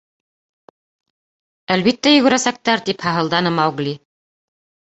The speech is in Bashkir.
— Әлбиттә, йүгерәсәктәр! — тип һаһылданы Маугли.